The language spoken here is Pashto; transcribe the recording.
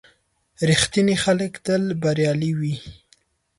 • رښتیني خلک تل بریالي وي.